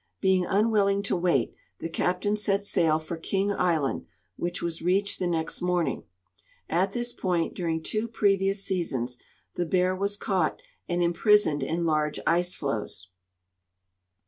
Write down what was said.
Being unAvilling to Avait, the captain set sail for King island, Avhich Avas reached the next morning. At tins point dur ing two previous seasons the Bear Avas caught and imprisoned in large ice floes.